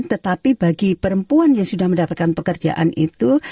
tetapi bagi perempuan yang sudah mendapatkan pekerjaan itu